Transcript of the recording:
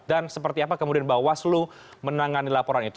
seperti apa kemudian bawaslu menangani laporan itu